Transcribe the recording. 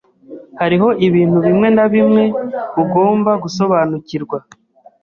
Hariho ibintu bimwe na bimwe ugomba gusobanukirwa.